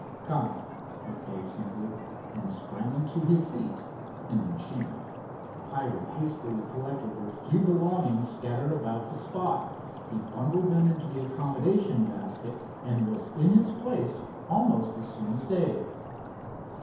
"Come," spoke Dave simply, and sprang into his seat in the Machine. Hiram hastily collected their few belongings scattered about the spot. He bundled them into the accommodation basket, and was in his place almost as soon as Dave.